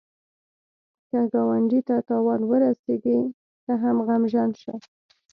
که ګاونډي ته تاوان ورسېږي، ته هم غمژن شه